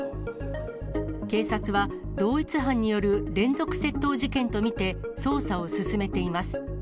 警察は同一犯による連続窃盗事件と見て、捜査を進めています。